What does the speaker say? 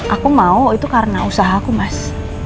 aku mau itu karena usaha aku mas